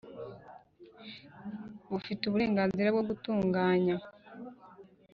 bufite uburenganzira bwo gutunganya